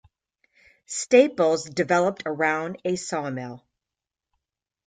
Staples developed around a sawmill.